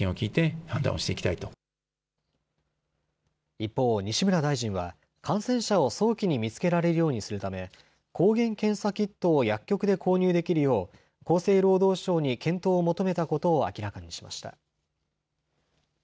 一方、西村大臣は感染者を早期に見つけられるようにするため抗原検査キットを薬局で購入できるよう厚生労働省に検討を求めたことを明らかにしました。